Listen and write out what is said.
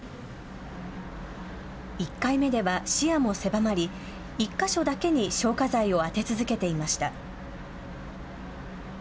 １回目では視野も狭まり１か所だけに消火剤を当て続けていました。